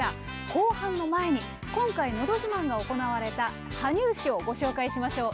後半の前に今回「のど自慢」が行われた羽生市をご紹介しましょう。